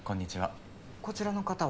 こちらの方は？